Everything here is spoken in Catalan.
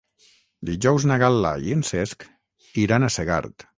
Dijous na Gal·la i en Cesc iran a Segart.